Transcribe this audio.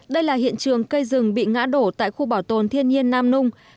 đây là hiện trường cây rừng bị ngã đổ tại khu bảo tồn thiên nhiên nam nung